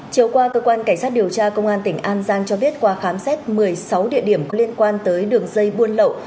chiều qua cơ quan cảnh sát điều tra công an tỉnh an giang cho biết qua khám xét một mươi sáu địa điểm có liên quan tới đường dây buôn lậu